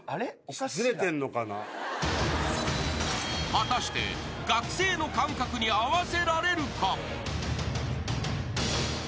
［果たして学生の感覚に合わせられるか？］